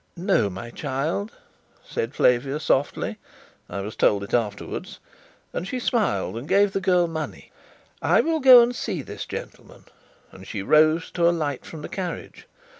"No, my child," said Flavia softly (I was told it afterwards), and she smiled and gave the girl money. "I will go and see this gentleman," and she rose to alight from the carriage.